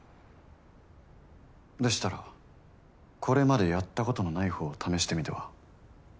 でしたらこれまでやったことのないほうを試してみては？